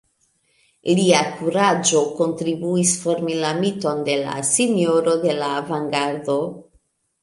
Lia kuraĝo kontribuis formi la miton de la «Sinjoro de la Avangardo».